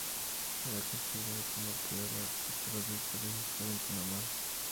Es considerado como el peor acto terrorista registrado en Panamá.